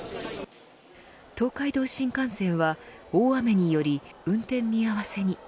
東海道新幹線は大雨により運転見合わせに。